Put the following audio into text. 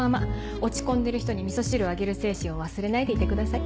落ち込んでる人にみそ汁をあげる精神を忘れないでいてください。